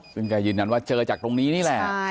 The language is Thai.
ขึ้นได้ยืนว่าจากตรงนี้นี่แหละ